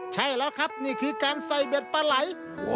ใช่แล้วครับนี่คือการใส่เบ็ดปลาไหล